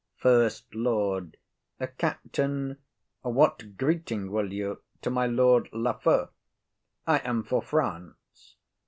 SECOND LORD. Captain, what greeting will you to my Lord Lafew? I am for France.